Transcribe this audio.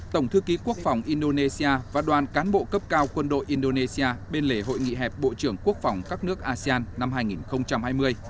tổng thư ký quốc phòng indonesia và đoàn cán bộ cấp cao quân đội indonesia bên lề hội nghị hẹp bộ trưởng quốc phòng các nước asean năm hai nghìn hai mươi